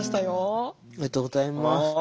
ありがとうございます。